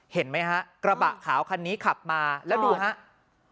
เห็นไหมฮะกระบะขาวคันนี้ขับมาแล้วดูครับ